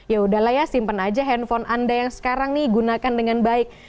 yaudahlah ya simpen aja handphone anda yang sekarang nih gunakan dengan baik